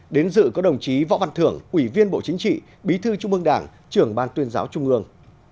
đến dự có đồng chí võ văn thưởng ủy viên bộ chính trị bí thư trung ương đảng trưởng ban tuyên giáo trung ương